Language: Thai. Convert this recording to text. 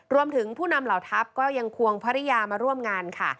ผู้นำเหล่าทัพก็ยังควงภรรยามาร่วมงานค่ะ